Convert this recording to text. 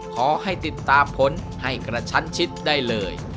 ขอให้ติดตามผลให้กระชั้นชิดได้เลย